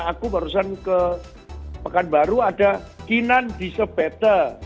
aku barusan ke pekanbaru ada kinan di sebeth